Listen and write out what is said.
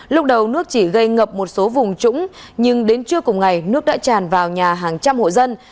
lúc đầu nước chỉ gây ngập một số vùng trũng nhưng đến trưa cùng ngày nước đã tràn vào nhà hàng trăm hộ dân